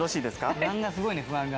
不安がすごいね不安が。